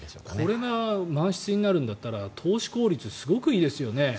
これが満室になるんだったら投資効率すごくいいですよね。